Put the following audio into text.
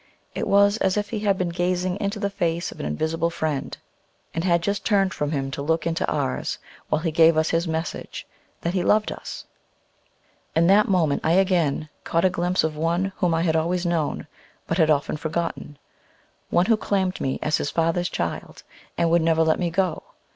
It was as if he had been gazing into the face of an invisible Friend, and bad just turned from Him to look into ours, while he gave us his message, that He loved us. In that moment I again caught a glimpse of One whom I had always known, but had often forgotten, One who claimed me as his Father's child, and would never let me go.